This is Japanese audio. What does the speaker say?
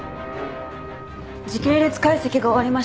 時系列解析が終わりました。